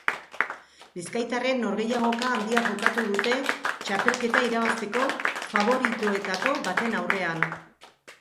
Bizkaitarrek norgehiagoka handia jokatu dute txapelketa irabazteko faboritoetako baten aurrean.